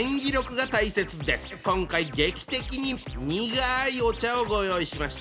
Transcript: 今回劇的に苦いお茶をご用意しました。